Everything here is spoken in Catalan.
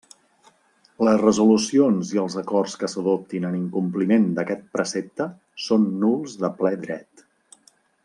Les resolucions i els acords que s'adoptin en incompliment d'aquest precepte són nuls de ple dret.